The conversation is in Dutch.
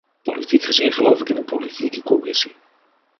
Politiek gezien geloof ik in een politieke commissie.